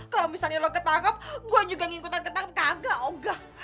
kalau misalnya lo ketangkep gue juga ngikutin ketangkep kagak gak